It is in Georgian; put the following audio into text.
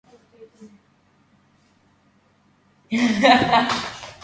ცნობილია იმით, რომ არის ერთ-ერთი საუკეთესო მსახიობი, რომელიც არასდროს ყოფილა ნომინირებული ოსკარზე.